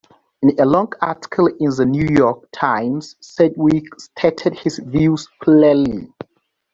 In a long article in the New York Times, Sedgwick stated his views plainly.